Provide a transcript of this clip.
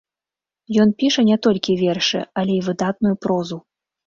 Ён піша не толькі вершы, але і выдатную прозу.